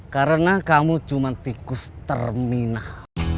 karena kamu cuma tikus terminal